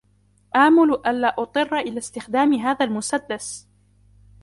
آمُل ألا أضطر إلى استخدام هذا المسدس.